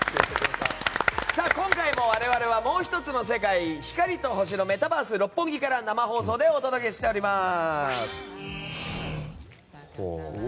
今回も我々はもう１つの世界光と星のメタバース六本木から生放送でお届けしています。